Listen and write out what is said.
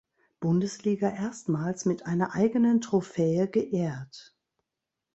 Bundesliga erstmals mit einer eigenen Trophäe geehrt.